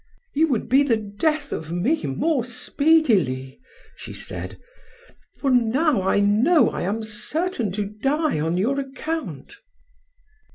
"You would be the death of me more speedily," she said, "for now I know I am certain to die on your account."